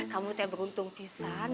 kamu tuh yang beruntung pisang